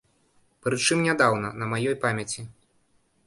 Прычым нядаўна, на маёй памяці.